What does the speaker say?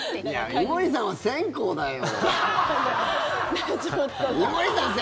井森さんは線香だよ。